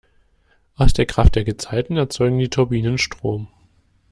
Aus der Kraft der Gezeiten erzeugen die Turbinen Strom.